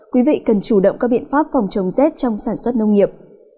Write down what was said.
quý vị cần chủ động có biện pháp phòng chống xét trong sản xuất nông nghiệp